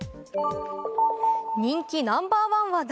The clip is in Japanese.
人気ナンバーワンは誰？